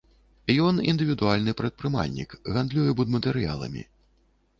Ён індывідуальны прадпрымальнік, гандлюе будматэрыяламі.